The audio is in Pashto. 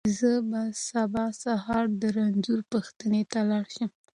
زه به سبا سهار د رنځور پوښتنې ته لاړ شم.